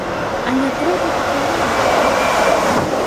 Але трэба па каня бегчы.